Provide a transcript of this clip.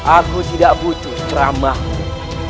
aku tidak butuh ceramahmu